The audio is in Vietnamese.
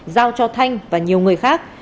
giao cho thanh và nhiều người khác